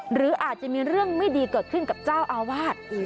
หรืออาจจะมีเรื่องไม่ดีเกิดขึ้นกับเจ้าอาวาส